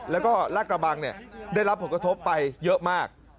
แล้วก็ลาดกระบังได้รับผลกระทบไปเยอะมาก